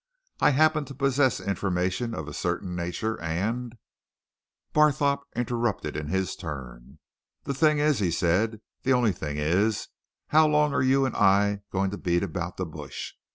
I happen to possess information of a certain nature, and " Barthorpe interrupted in his turn. "The thing is," he said, "the only thing is how long are you and I going to beat about the bush?